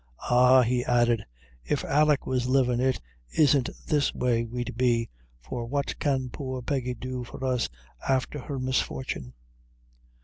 "Ah," he added, "if Alick was livin' it isn't this way we'd be, for what can poor Peggy do for us afther her 'misfortune?'